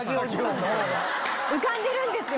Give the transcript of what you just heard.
浮かんでるんですよ。